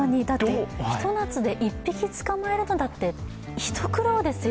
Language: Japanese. ひと夏で１匹捕まえるのだってひと苦労ですよ。